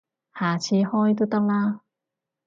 下次開都得啦